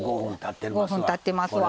５分たってますわ。